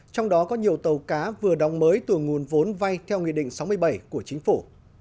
trong đó có nhiều tàu cá vừa đóng mới từ nguồn vốn vay theo nghị định sáu mươi bảy của chính phủ